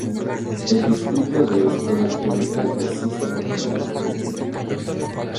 El Distrito de Escuelas Públicas de Cícero No.